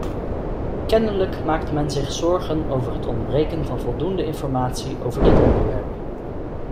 Kennelijk maakt men zich zorgen over het ontbreken van voldoende informatie over dit onderwerp.